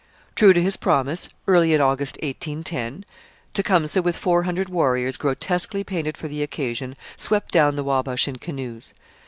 True to this promise, early in August 1810, Tecumseh, with four hundred warriors grotesquely painted for the occasion, swept down the Wabash in canoes.